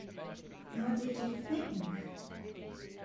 What did you think?